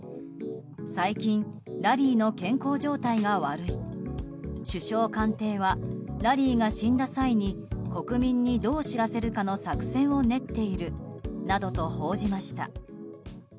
最近、ラリーの健康状態が悪い首相官邸はラリーが死んだ際に国民にどう知らせるかの作戦を練っているなどと報じました。